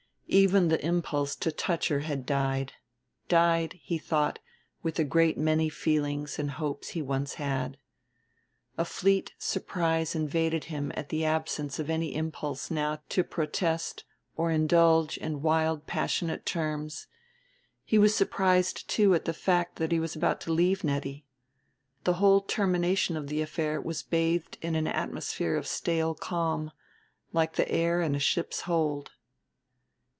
Even the impulse to touch her had died died, he thought, with a great many feelings and hopes he once had. A fleet surprise invaded him at the absence of any impulse now to protest or indulge in wild passionate terms; he was surprised, too, at the fact that he was about to leave Nettie. The whole termination of the affair was bathed in an atmosphere of stale calm, like the air in a ship's hold.